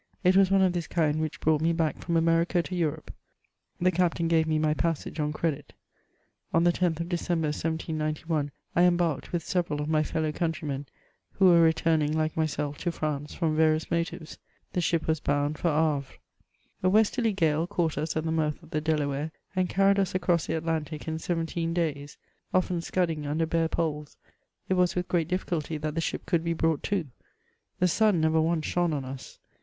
It was one of this kind which brought me back from America to Europe. The captain gave me my passage on credit. On the 10th of December, 1791, I embarked with several of my fellow countrymen, who were returning, like myself, to France, from various motives. The ship was bound for Havre. A westerly gale caught us at the mouth of the Delaware, and carried us across the Atlantic in seventeen days. Often scudding under bare poles, it was with great difficulty that the ship could be brought to. The sun never once shone on us.